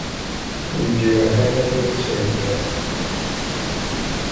Leǧruḥ ad-ten-id-sakiɣ.